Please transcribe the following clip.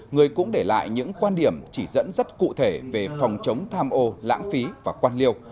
người cũng để lại những quan điểm chỉ dẫn rất cụ thể về phòng chống tham ô lãng phí và quan liêu